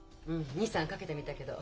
２３かけてみたけど。